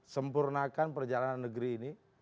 sempurnakan perjalanan negeri ini